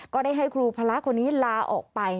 ก็ได้ให้ครูพระคนนี้ลาออกไป